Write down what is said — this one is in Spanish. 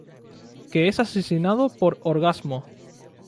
Que es asesinado por Orgasmo!